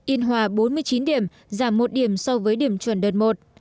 yên hòa bốn mươi chín điểm giảm một điểm so với điểm chuẩn đợt một